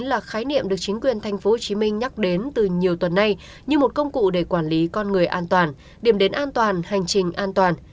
thẻ xanh covid một mươi chín được chính quyền tp hcm nhắc đến từ nhiều tuần nay như một công cụ để quản lý con người an toàn điểm đến an toàn hành trình an toàn